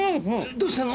どうしたの？